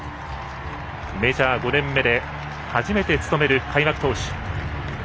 メジャー５年目で初めて務める開幕投手。